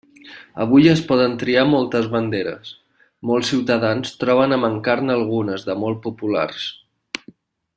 Avui es poden triar moltes banderes, molts ciutadans troben a mancar-ne algunes de molt populars.